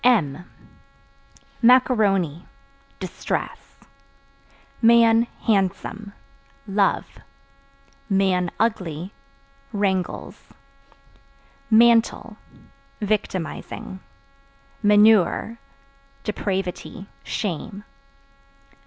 M Macaroni Distress. Man (Handsome) love; (ugly) wrangles. Mantle Victimizing. Manure Depravity, shame.